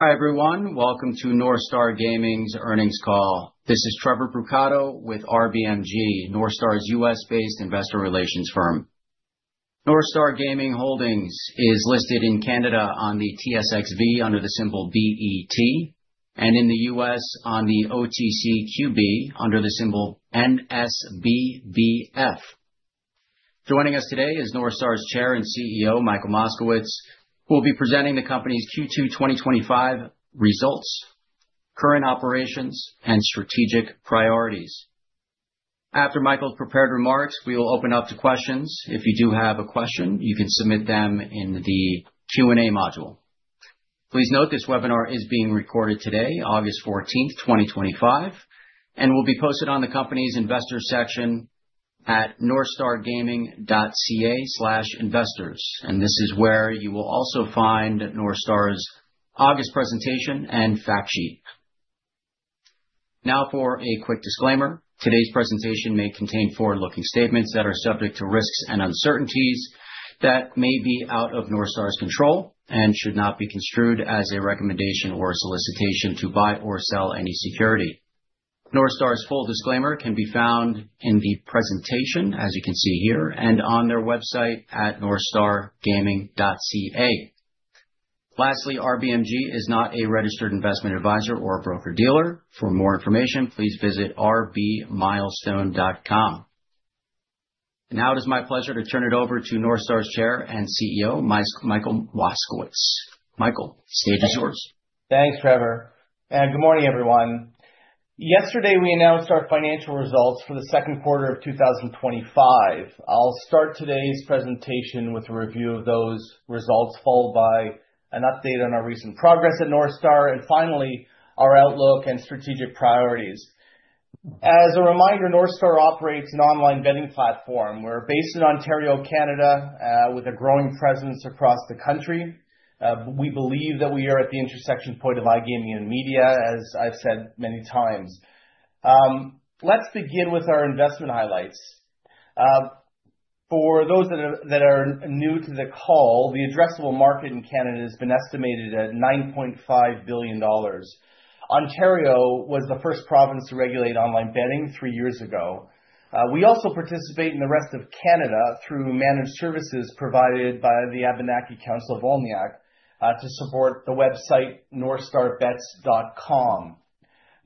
Hi everyone, welcome to NorthStar Gaming's earnings call. This is Trevor Brucato with RB Milestone Group, NorthStar's US-based investor relations firm. NorthStar Gaming Holdings is listed in Canada on the TSXV under the symbol BET, and in the US on the OTCQB under the symbol NSBBF. Joining us today is NorthStar's Chair and CEO, Michael Moskowitz, who will be presenting the company's Q2 2025 results, current operations, and strategic priorities. After Michael's prepared remarks, we will open up to questions. If you do have a question, you can submit them in the Q&A module. Please note this webinar is being recorded today, 14 August 2025, and will be posted on the company's Investor section at northstargaming.ca/investors. This is where you will also find NorthStar's August presentation and fact sheet. Now, for a quick disclaimer, today's presentation may contain forward-looking statements that are subject to risks and uncertainties that may be out of NorthStar's control and should not be construed as a recommendation or a solicitation to buy or sell any security. NorthStar's full disclaimer can be found in the presentation, as you can see here, and on their website at northstargaming.ca. Lastly, RBMG is not a registered investment advisor or broker-dealer. For more information, please visit rbmilestone.com. Now it is my pleasure to turn it over to NorthStar's Chair and CEO, Michael Moskowitz. Michael, the stage is yours. Thanks, Trevor. Good morning, everyone. Yesterday, we announced our financial results for the Q2 of 2025. I'll start today's presentation with a review of those results, followed by an update on our recent progress at NorthStar, and finally, our outlook and strategic priorities. As a reminder, NorthStar operates an online betting platform. We're based in Ontario, Canada, with a growing presence across the country. We believe that we are at the intersection point of iGaming and media, as I've said many times. Let's begin with our investment highlights. For those that are new to the call, the addressable market in Canada has been estimated at 9.5 billion dollars. Ontario was the first province to regulate online betting three years ago. We also participate in the rest of Canada through managed services provided by the Abenaki Council of Wolinak to support the website northstarbets.com.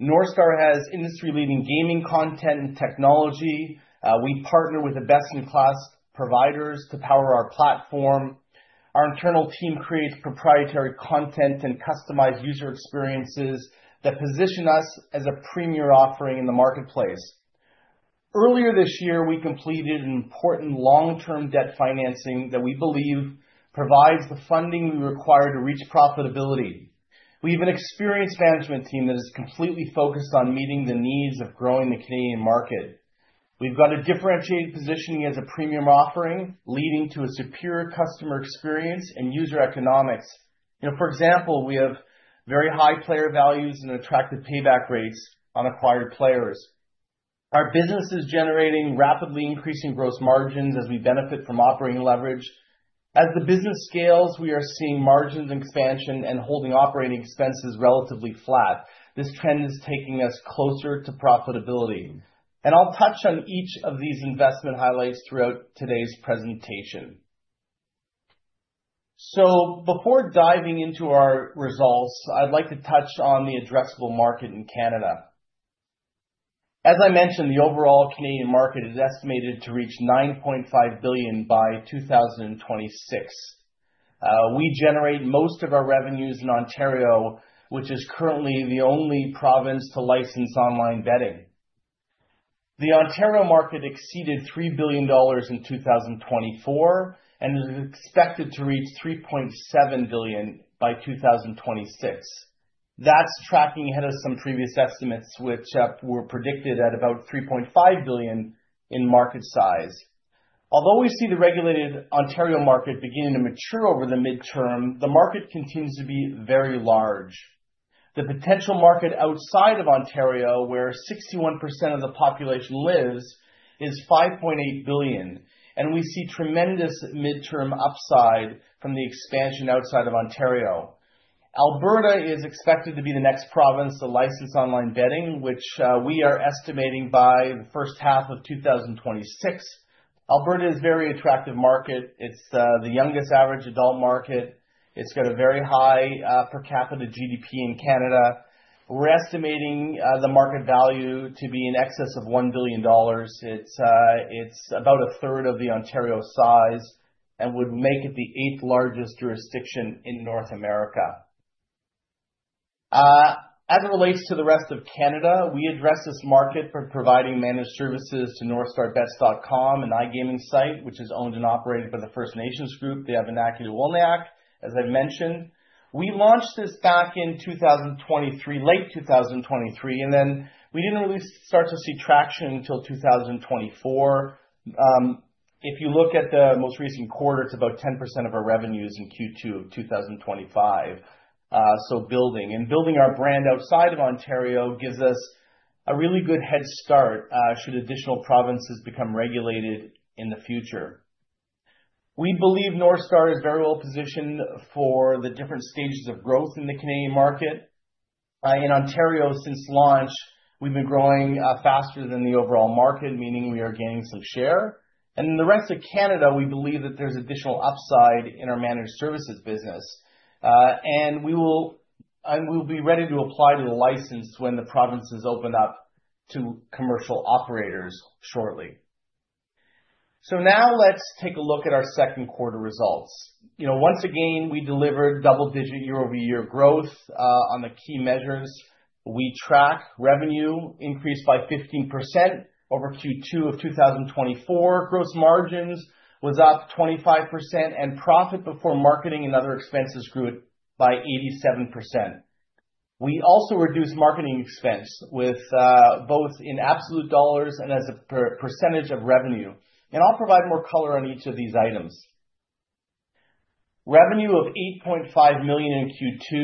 NorthStar has industry-leading gaming content and technology. We partner with the best-in-class providers to power our platform. Our internal team creates proprietary content and customized user experiences that position us as a premier offering in the marketplace. Earlier this year, we completed an important long-term debt financing that we believe provides the funding we require to reach profitability. We have an experienced management team that is completely focused on meeting the needs of growing the Canadian market. We've got a differentiated positioning as a premium offering, leading to a superior customer experience and user economics. For example, we have very high player values and attractive payback rates on acquired players. Our business is generating rapidly increasing gross margins as we benefit from operating leverage. As the business scales, we are seeing margins expansion and holding operating expenses relatively flat. This trend is taking us closer to profitability. I'll touch on each of these investment highlights throughout today's presentation. Before diving into our results, I'd like to touch on the addressable market in Canada. As I mentioned, the overall Canadian market is estimated to reach 9.5 billion by 2026. We generate most of our revenues in Ontario, which is currently the only province to license online betting. The Ontario market exceeded 3 billion dollars in 2024 and is expected to reach 3.7 billion by 2026. That's tracking ahead of some previous estimates, which were predicted at about 3.5 billion in market size. Although we see the regulated Ontario market beginning to mature over the midterm, the market continues to be very large. The potential market outside of Ontario, where 61% of the population lives, is 5.8 billion, and we see tremendous midterm upside from the expansion outside of Ontario. Alberta is expected to be the next province to license online betting, which we are estimating by the first half of 2026. Alberta is a very attractive market. It's the youngest average adult market. It's got a very high per capita GDP in Canada. We're estimating the market value to be in excess of 1 billion dollars. It's about 1/3 of the Ontario size and would make it the eighth largest jurisdiction in North America. As it relates to the rest of Canada, we address this market by providing managed services to northstarbets.com, an iGaming site which is owned and operated by the First Nations group, the Abenaki of Wolinak, as I've mentioned. We launched this back in 2023, late 2023, and then we didn't really start to see traction until 2024. If you look at the most recent quarter, it's about 10% of our revenues in Q2 of 2025. So building and building our brand outside of Ontario gives us a really good head start should additional provinces become regulated in the future. We believe NorthStar is very well positioned for the different stages of growth in the Canadian market. In Ontario, since launch, we've been growing faster than the overall market, meaning we are gaining some share. And in the rest of Canada, we believe that there's additional upside in our managed services business. And we will be ready to apply to the license when the provinces open up to commercial operators shortly. So now let's take a look at our Q2 results. Once again, we delivered double-digit year-over-year growth on the key measures. We tracked revenue increased by 15% over Q2 of 2024. Gross margins was up 25%, and profit before marketing and other expenses grew by 87%. We also reduced marketing expense with both in absolute dollars and as a percentage of revenue. And I'll provide more color on each of these items. Revenue of 8.5 million in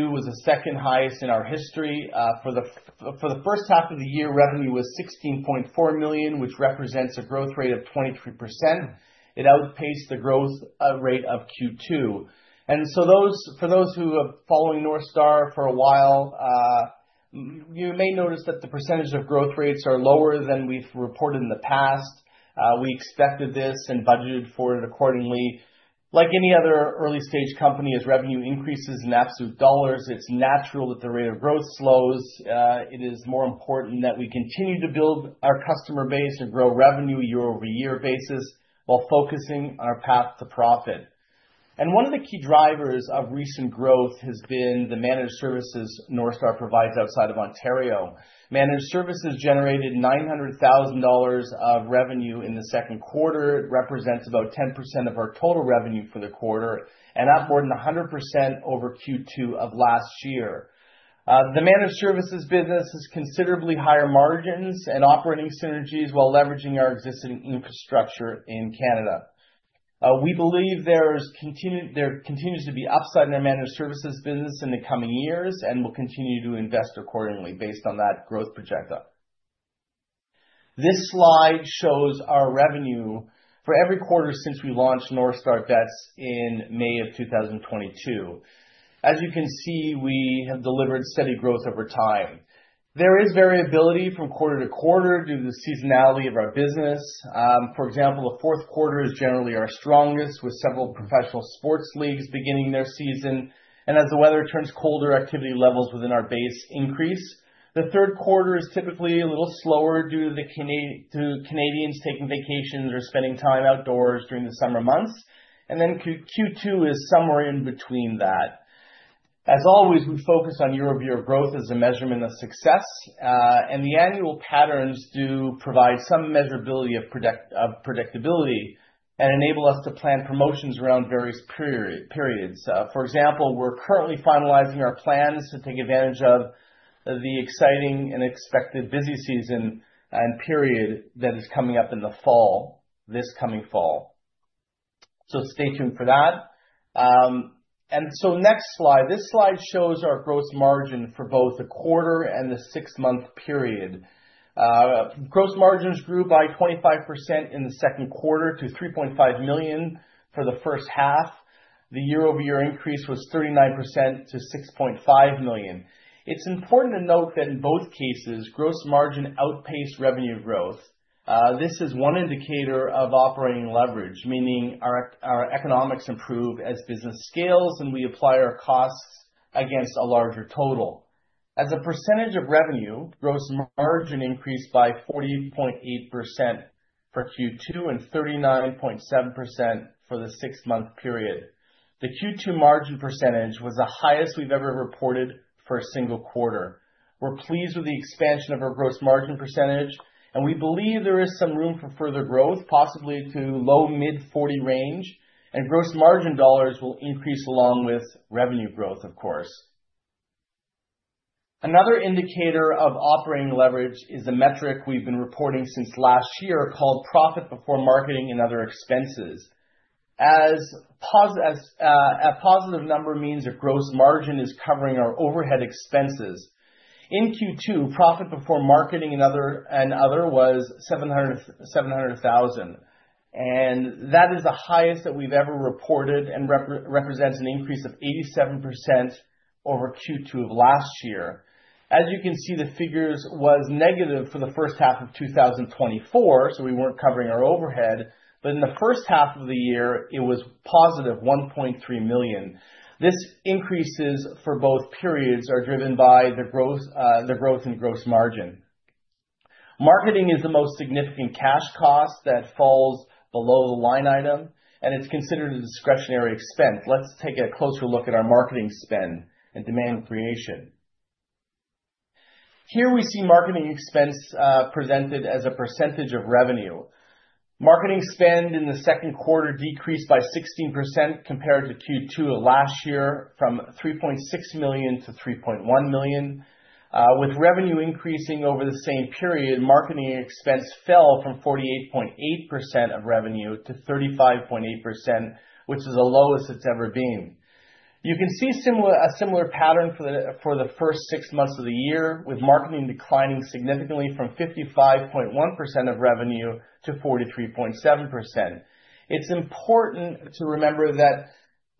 Q2 was the second highest in our history. For the first half of the year, revenue was 16.4 million, which represents a growth rate of 23%. It outpaced the growth rate of Q2. And so for those who have been following NorthStar for a while, you may notice that the percentage of growth rates are lower than we've reported in the past. We expected this and budgeted for it accordingly. Like any other early-stage company, as revenue increases in absolute dollars, it's natural that the rate of growth slows. It is more important that we continue to build our customer base and grow revenue on a year-over-year basis while focusing on our path to profit. One of the key drivers of recent growth has been the managed services NorthStar provides outside of Ontario. Managed services generated 900,000 dollars of revenue in the Q2. It represents about 10% of our total revenue for the quarter and up more than 100% over Q2 of last year. The managed services business has considerably higher margins and operating synergies while leveraging our existing infrastructure in Canada. We believe there continues to be upside in our managed services business in the coming years and will continue to invest accordingly based on that growth project. This slide shows our revenue for every quarter since we launched NorthStar Bets in May of 2022. As you can see, we have delivered steady growth over time. There is variability from quarter to quarter due to the seasonality of our business. For example, the Q4 is generally our strongest, with several professional sports leagues beginning their season. And as the weather turns colder, activity levels within our base increase. The Q3 is typically a little slower due to Canadians taking vacations or spending time outdoors during the summer months. And then Q2 is somewhere in between that. As always, we focus on year-over-year growth as a measurement of success. And the annual patterns do provide some measurability of predictability and enable us to plan promotions around various periods. For example, we're currently finalizing our plans to take advantage of the exciting and expected busy season and period that is coming up in the fall this coming fall. So stay tuned for that. And so next slide, this slide shows our gross margin for both the quarter and the six-month period. Gross margins grew by 25% in the Q2 to 3.5 million for the first half. The year-over-year increase was 39% to 6.5 million. It's important to note that in both cases, gross margin outpaced revenue growth. This is one indicator of operating leverage, meaning our economics improve as business scales and we apply our costs against a larger total. As a percentage of revenue, gross margin increased by 40.8% for Q2 and 39.7% for the six-month period. The Q2 margin percentage was the highest we've ever reported for a single quarter. We're pleased with the expansion of our gross margin percentage, and we believe there is some room for further growth, possibly to low mid-40 range, and gross margin dollars will increase along with revenue growth, of course. Another indicator of operating leverage is a metric we've been reporting since last year called profit before marketing and other expenses. A positive number means a gross margin is covering our overhead expenses. In Q2, profit before marketing and other was 700,000, and that is the highest that we've ever reported and represents an increase of 87% over Q2 of last year. As you can see, the figures were negative for the first half of 2024, so we weren't covering our overhead, but in the first half of the year, it was positive, 1.3 million. This increases for both periods are driven by the growth in gross margin. Marketing is the most significant cash cost that falls below the line item, and it's considered a discretionary expense. Let's take a closer look at our marketing spend and demand creation. Here we see marketing expense presented as a percentage of revenue. Marketing spend in the Q2 decreased by 16% compared to Q2 of last year from 3.6 million to 3.1 million. With revenue increasing over the same period, marketing expense fell from 48.8% of revenue to 35.8%, which is the lowest it's ever been. You can see a similar pattern for the first six months of the year, with marketing declining significantly from 55.1% of revenue to 43.7%. It's important to remember that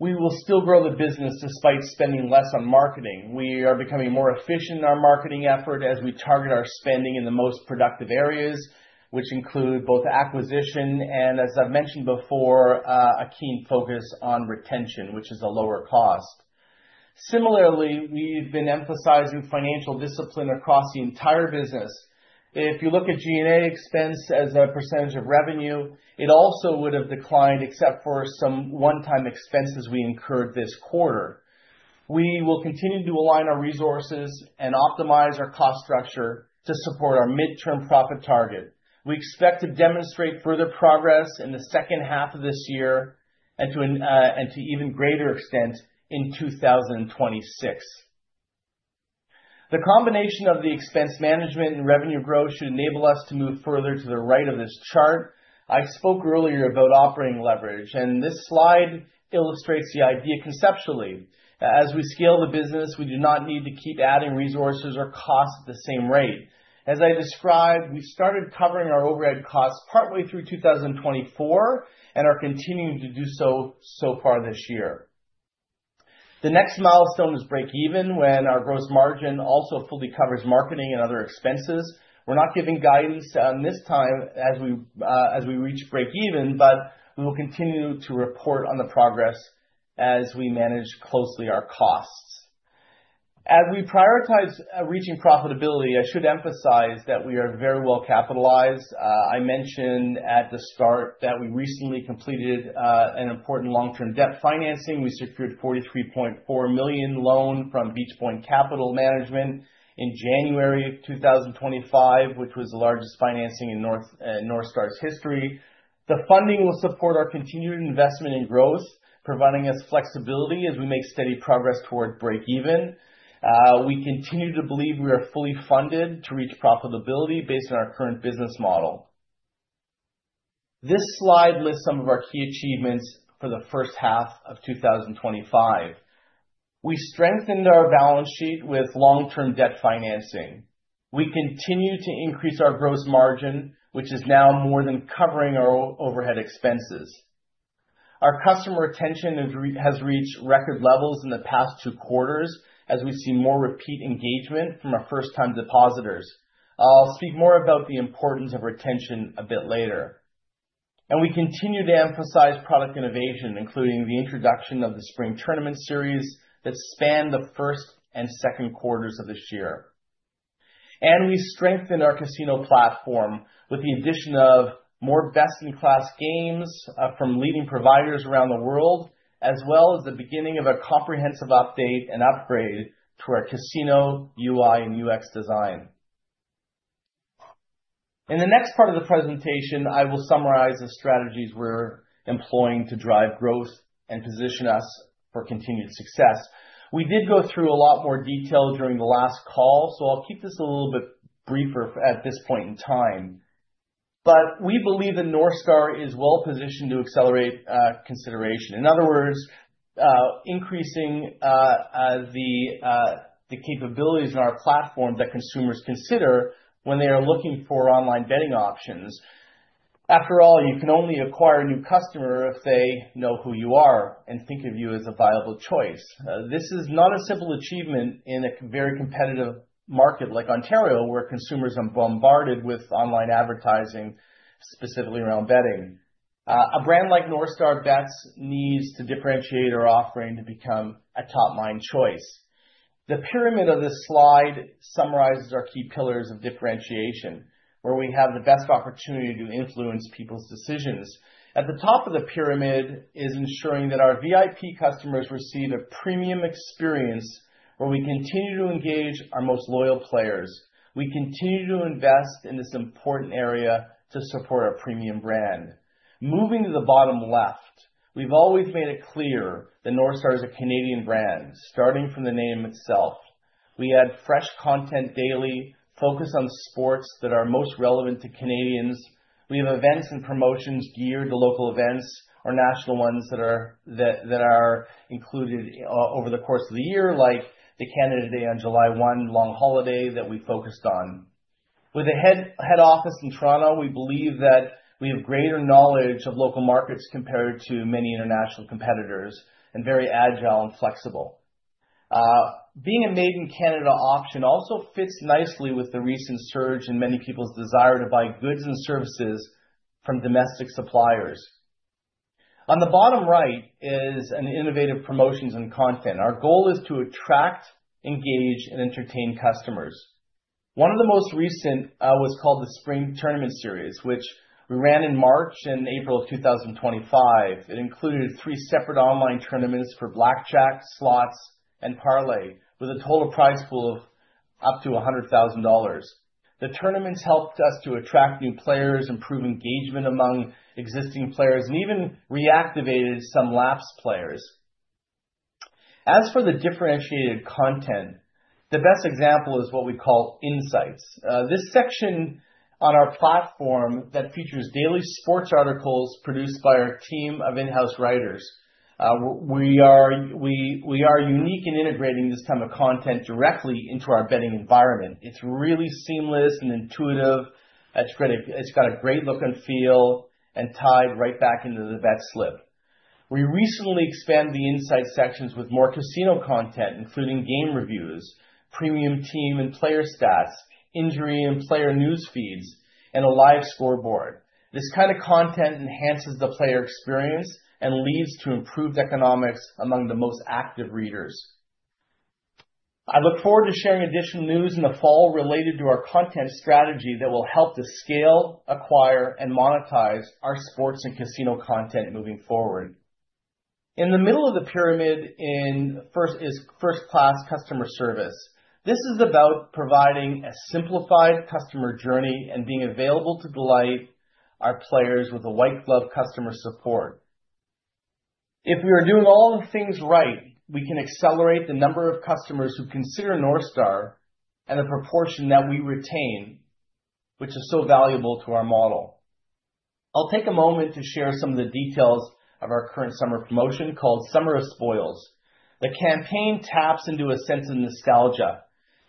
we will still grow the business despite spending less on marketing. We are becoming more efficient in our marketing effort as we target our spending in the most productive areas, which include both acquisition and, as I've mentioned before, a keen focus on retention, which is a lower cost. Similarly, we've been emphasizing financial discipline across the entire business. If you look at G&A expense as a percentage of revenue, it also would have declined except for some one-time expenses we incurred this quarter. We will continue to align our resources and optimize our cost structure to support our midterm profit target. We expect to demonstrate further progress in the second half of this year and to even greater extent in 2026. The combination of the expense management and revenue growth should enable us to move further to the right of this chart. I spoke earlier about operating leverage, and this slide illustrates the idea conceptually. As we scale the business, we do not need to keep adding resources or costs at the same rate. As I described, we started covering our overhead costs partway through 2024 and are continuing to do so so far this year. The next milestone is break-even when our gross margin also fully covers marketing and other expenses. We're not giving guidance on this time as we reach break-even, but we will continue to report on the progress as we manage closely our costs. As we prioritize reaching profitability, I should emphasize that we are very well capitalized. I mentioned at the start that we recently completed an important long-term debt financing. We secured a 43.4 million loan from Beach Point Capital Management in January of 2025, which was the largest financing in NorthStar's history. The funding will support our continued investment and growth, providing us flexibility as we make steady progress toward break-even. We continue to believe we are fully funded to reach profitability based on our current business model. This slide lists some of our key achievements for the first half of 2025. We strengthened our balance sheet with long-term debt financing. We continue to increase our gross margin, which is now more than covering our overhead expenses. Our customer retention has reached record levels in the past two quarters as we see more repeat engagement from our first-time depositors. I'll speak more about the importance of retention a bit later, and we continue to emphasize product innovation, including the introduction of the Spring Tournament Series that spanned the first and second quarters of this year, and we strengthened our casino platform with the addition of more best-in-class games from leading providers around the world, as well as the beginning of a comprehensive update and upgrade to our casino UI and UX design. In the next part of the presentation, I will summarize the strategies we're employing to drive growth and position us for continued success. We did go through a lot more detail during the last call, so I'll keep this a little bit briefer at this point in time. But we believe that NorthStar is well positioned to accelerate consideration. In other words, increasing the capabilities in our platform that consumers consider when they are looking for online betting options. After all, you can only acquire a new customer if they know who you are and think of you as a viable choice. This is not a simple achievement in a very competitive market like Ontario, where consumers are bombarded with online advertising, specifically around betting. A brand like NorthStar Bets needs to differentiate our offering to become a top-mind choice. The pyramid of this slide summarizes our key pillars of differentiation, where we have the best opportunity to influence people's decisions. At the top of the pyramid is ensuring that our VIP customers receive a premium experience where we continue to engage our most loyal players. We continue to invest in this important area to support our premium brand. Moving to the bottom left, we've always made it clear that NorthStar is a Canadian brand, starting from the name itself. We add fresh content daily, focus on sports that are most relevant to Canadians. We have events and promotions geared to local events, our national ones that are included over the course of the year, like the Canada Day on July 1, long holiday that we focused on. With a head office in Toronto, we believe that we have greater knowledge of local markets compared to many international competitors and are very agile and flexible. Being a Made in Canada option also fits nicely with the recent surge in many people's desire to buy goods and services from domestic suppliers. On the bottom right is an innovative promotions and content. Our goal is to attract, engage, and entertain customers. One of the most recent was called the Spring Tournament Series, which we ran in March and April of 2025. It included three separate online tournaments for blackjack, slots, and parlay, with a total prize pool of up to 100,000 dollars. The tournaments helped us to attract new players, improve engagement among existing players, and even reactivated some lapsed players. As for the differentiated content, the best example is what we call insights. This section on our platform features daily sports articles produced by our team of in-house writers. We are unique in integrating this kind of content directly into our betting environment. It's really seamless and intuitive. It's got a great look and feel and tied right back into the bet slip. We recently expanded the insight sections with more casino content, including game reviews, premium team and player stats, injury and player news feeds, and a live scoreboard. This kind of content enhances the player experience and leads to improved economics among the most active readers. I look forward to sharing additional news in the fall related to our content strategy that will help to scale, acquire, and monetize our sports and casino content moving forward. In the middle of the pyramid is first-class customer service. This is about providing a simplified customer journey and being available to delight our players with a white-glove customer support. If we are doing all the things right, we can accelerate the number of customers who consider NorthStar and the proportion that we retain, which is so valuable to our model. I'll take a moment to share some of the details of our current summer promotion called Summer of Spoils. The campaign taps into a sense of nostalgia.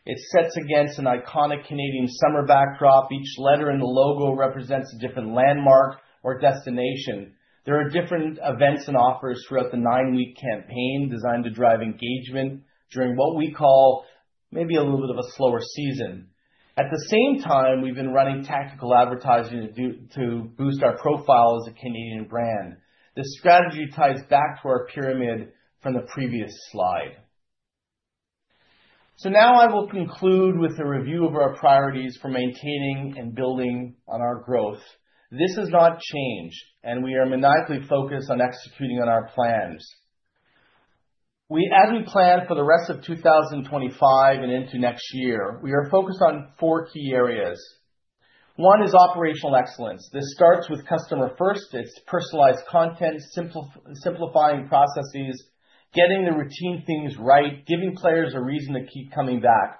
It sets against an iconic Canadian summer backdrop. Each letter in the logo represents a different landmark or destination. There are different events and offers throughout the nine-week campaign designed to drive engagement during what we call maybe a little bit of a slower season. At the same time, we've been running tactical advertising to boost our profile as a Canadian brand. This strategy ties back to our pyramid from the previous slide. So now I will conclude with a review of our priorities for maintaining and building on our growth. This has not changed, and we are maniacally focused on executing on our plans. As we plan for the rest of 2025 and into next year, we are focused on four key areas. One is operational excellence. This starts with customer first. It's personalized content, simplifying processes, getting the routine things right, giving players a reason to keep coming back.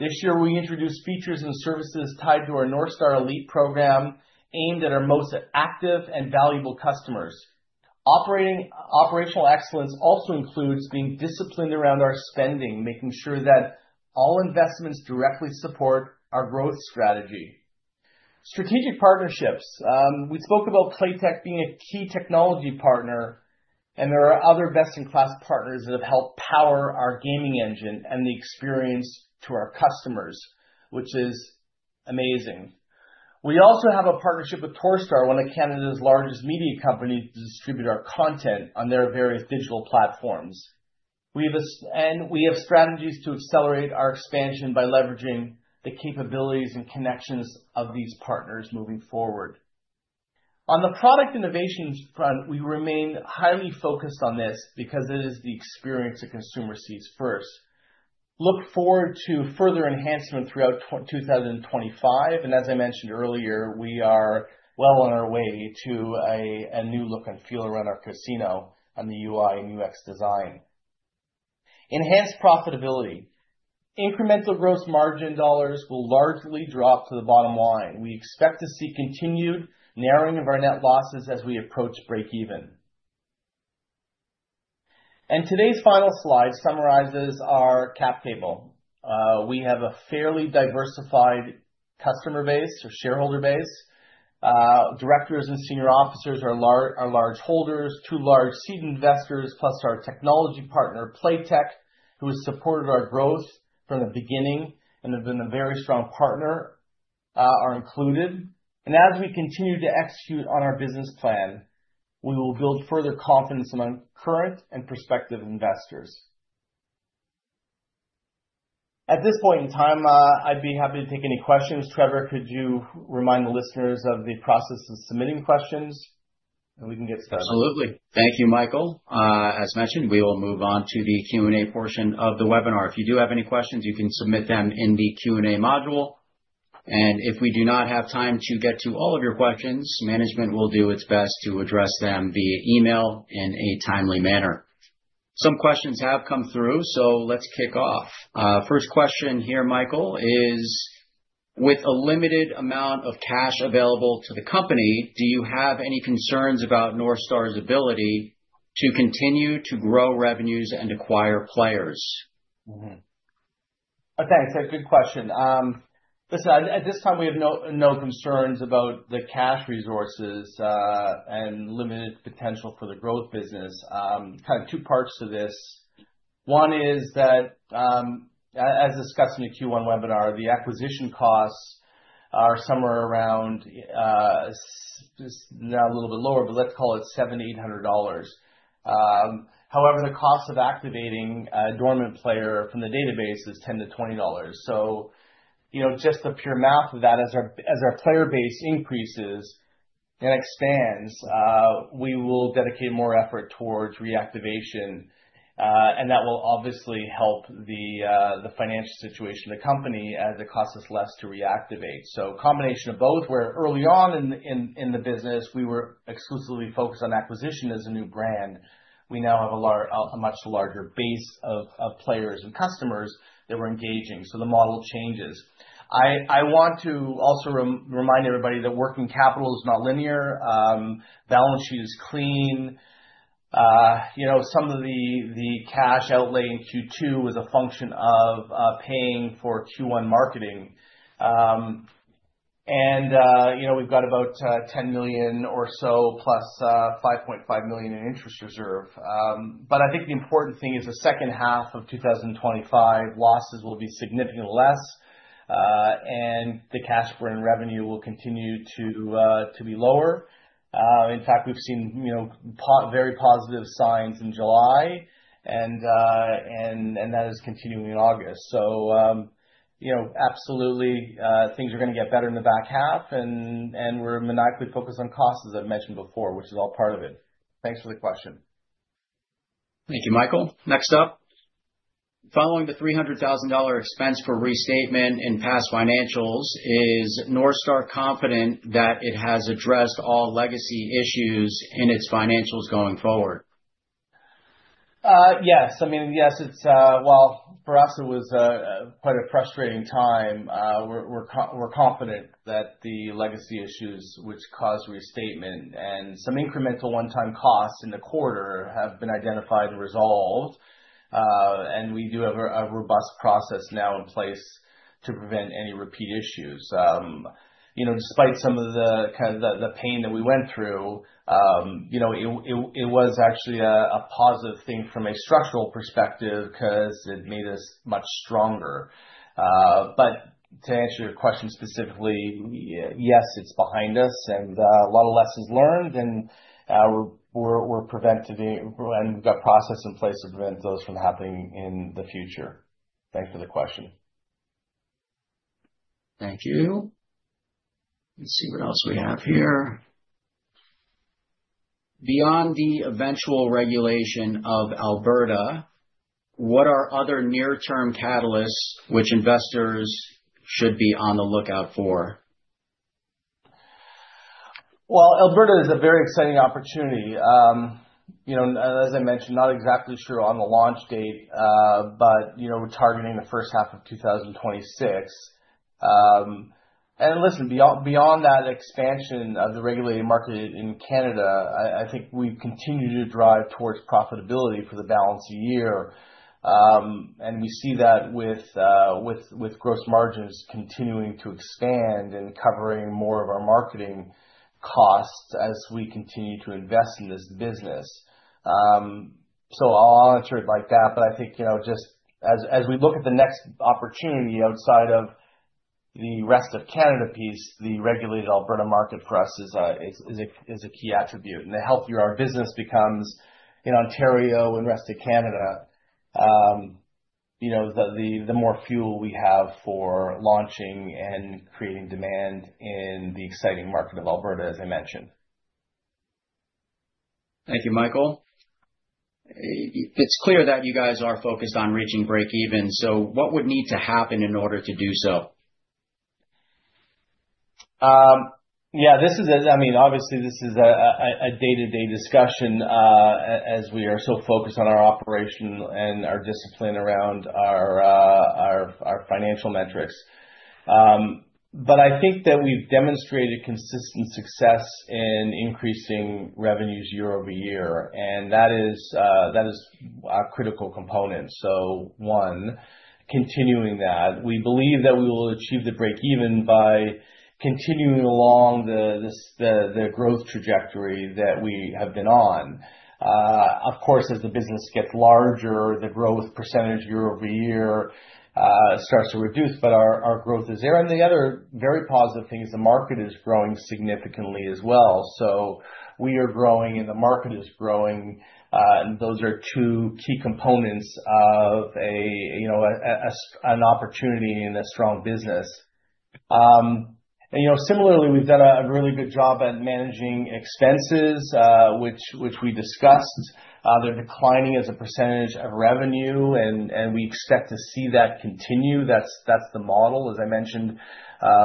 This year, we introduced features and services tied to our NorthStar Elite program aimed at our most active and valuable customers. Operational excellence also includes being disciplined around our spending, making sure that all investments directly support our growth strategy. Strategic partnerships. We spoke about Playtech being a key technology partner, and there are other best-in-class partners that have helped power our gaming engine and the experience to our customers, which is amazing. We also have a partnership with Torstar, one of Canada's largest media companies, to distribute our content on their various digital platforms. And we have strategies to accelerate our expansion by leveraging the capabilities and connections of these partners moving forward. On the product innovation front, we remain highly focused on this because it is the experience a consumer sees first. Look forward to further enhancement throughout 2025. And as I mentioned earlier, we are well on our way to a new look and feel around our casino on the UI and UX design. Enhanced profitability. Incremental gross margin dollars will largely drop to the bottom line. We expect to see continued narrowing of our net losses as we approach break-even. And today's final slide summarizes our cap table. We have a fairly diversified customer base or shareholder base. Directors and senior officers are large holders, two large seed investors, plus our technology partner, Playtech, who has supported our growth from the beginning and has been a very strong partner, are included, and as we continue to execute on our business plan, we will build further confidence among current and prospective investors. At this point in time, I'd be happy to take any questions. Trevor, could you remind the listeners of the process of submitting questions, and we can get started. Absolutely. Thank you, Michael. As mentioned, we will move on to the Q&A portion of the webinar. If you do have any questions, you can submit them in the Q&A module, and if we do not have time to get to all of your questions, management will do its best to address them via email in a timely manner. Some questions have come through, so let's kick off. First question here, Michael, is with a limited amount of cash available to the company, do you have any concerns about NorthStar's ability to continue to grow revenues and acquire players? Okay. It's a good question. Listen, at this time, we have no concerns about the cash resources and limited potential for the growth business. Kind of two parts to this. One is that, as discussed in the Q1 webinar, the acquisition costs are somewhere around, not a little bit lower, but let's call it 700-800 dollars. However, the cost of activating a dormant player from the database is 10-20 dollars. So just the pure math of that, as our player base increases and expands, we will dedicate more effort towards reactivation. And that will obviously help the financial situation of the company as it costs us less to reactivate. A combination of both, where early on in the business, we were exclusively focused on acquisition as a new brand, we now have a much larger base of players and customers that we're engaging. The model changes. I want to also remind everybody that working capital is not linear. Balance sheet is clean. Some of the cash outlay in Q2 was a function of paying for Q1 marketing. We've got about 10 million or so plus 5.5 million in interest reserve. I think the important thing is the second half of 2025, losses will be significantly less, and the cash burn revenue will continue to be lower. In fact, we've seen very positive signs in July, and that is continuing in August. So absolutely, things are going to get better in the back half, and we're maniacally focused on costs, as I've mentioned before, which is all part of it. Thanks for the question. Thank you, Michael. Next up, following the 300,000 dollar expense for restatement in past financials, is NorthStar confident that it has addressed all legacy issues in its financials going forward? Yes. I mean, yes, well, for us, it was quite a frustrating time. We're confident that the legacy issues, which caused restatement and some incremental one-time costs in the quarter, have been identified and resolved. And we do have a robust process now in place to prevent any repeat issues. Despite some of the pain that we went through, it was actually a positive thing from a structural perspective because it made us much stronger. But to answer your question specifically, yes, it's behind us and a lot of lessons learned, and we're preventing and we've got process in place to prevent those from happening in the future. Thanks for the question. Thank you. Let's see what else we have here. Beyond the eventual regulation of Alberta, what are other near-term catalysts which investors should be on the lookout for? Well, Alberta is a very exciting opportunity. As I mentioned, not exactly sure on the launch date, but we're targeting the first half of 2026. And listen, beyond that expansion of the regulated market in Canada, I think we continue to drive towards profitability for the balance of the year. And we see that with gross margins continuing to expand and covering more of our marketing costs as we continue to invest in this business. So I'll answer it like that. But I think just as we look at the next opportunity outside of the rest of Canada piece, the regulated Alberta market for us is a key attribute. And the healthier our business becomes in Ontario and the rest of Canada, the more fuel we have for launching and creating demand in the exciting market of Alberta, as I mentioned. Thank you, Michael. It's clear that you guys are focused on reaching break-even. So what would need to happen in order to do so? Yeah. I mean, obviously, this is a day-to-day discussion as we are so focused on our operation and our discipline around our financial metrics. But I think that we've demonstrated consistent success in increasing revenues year-over-year. And that is a critical component. So one, continuing that. We believe that we will achieve the break-even by continuing along the growth trajectory that we have been on. Of course, as the business gets larger, the growth percentage year-over-year starts to reduce, but our growth is there. And the other very positive thing is the market is growing significantly as well. So we are growing and the market is growing. And those are two key components of an opportunity and a strong business. And similarly, we've done a really good job at managing expenses, which we discussed. They're declining as a percentage of revenue, and we expect to see that continue. That's the model. As I mentioned,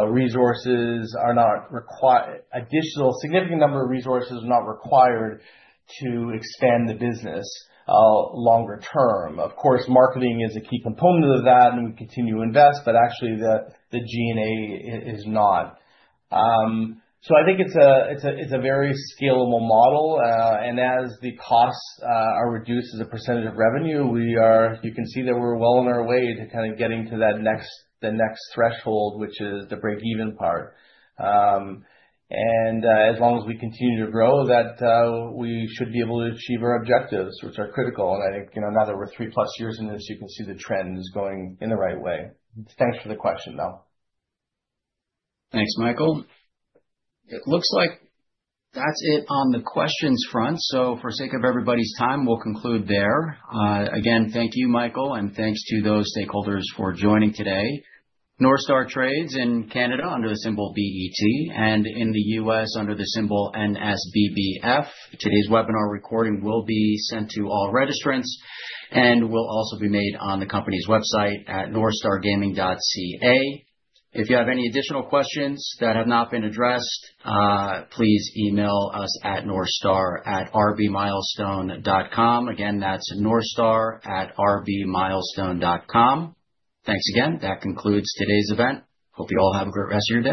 resources are not required. A significant number of resources are not required to expand the business longer term. Of course, marketing is a key component of that, and we continue to invest, but actually, the G&A is not. So I think it's a very scalable model. And as the costs are reduced as a percentage of revenue, you can see that we're well on our way to kind of getting to the next threshold, which is the break-even part. And as long as we continue to grow, we should be able to achieve our objectives, which are critical. And I think now that we're three-plus years in this, you can see the trend is going in the right way. Thanks for the question, though. Thanks, Michael. It looks like that's it on the questions front. So for the sake of everybody's time, we'll conclude there. Again, thank you, Michael. And thanks to those stakeholders for joining today. NorthStar trades in Canada under the symbol BET, and in the US under the symbol NSBBF. Today's webinar recording will be sent to all registrants, and will also be made on the company's website at northstargaming.ca. If you have any additional questions that have not been addressed, please email us at northstar@rbmilestone.com. Again, that's northstar@rbmilestone.com. Thanks again. That concludes today's event. Hope you all have a great rest of your day.